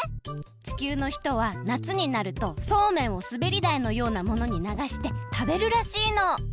地球のひとはなつになるとそうめんをすべりだいのようなものにながしてたべるらしいの。